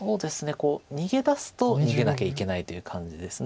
逃げ出すと逃げなきゃいけないという感じです。